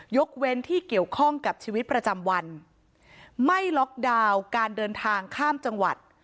ยกเว้นที่เกี่ยวข้องกับชีวิตประจำวันไม่ล็อกดาวน์การเดินทางข้ามจังหวัด